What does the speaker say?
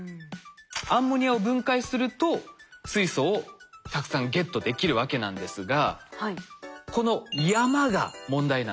アンモニアを分解すると水素をたくさんゲットできるわけなんですがこの山が問題なんです。